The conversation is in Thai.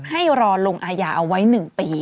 ให้รอลงอายาเอาไว้๑ปี